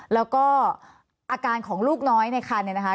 แล้วก็อาการของลูกน้อยในคันเนี่ยนะคะ